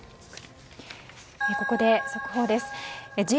ここで速報です。